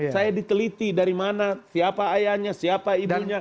saya diteliti dari mana siapa ayahnya siapa ibunya